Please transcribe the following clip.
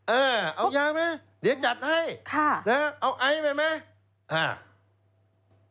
เออเอายาไหมเดี๋ยวจัดให้ค่ะน่ะอ้าเอาไอ๊บบบอบมือไหม